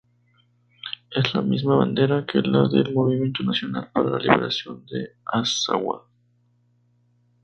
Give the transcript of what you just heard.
Es la misma bandera que la del Movimiento Nacional para la Liberación del Azawad.